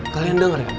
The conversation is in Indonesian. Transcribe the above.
kalian denger ya